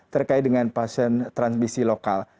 terkait dengan pasien transmisi lokal